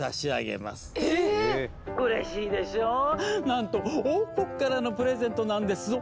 なんと王国からのプレゼントなんですぞ。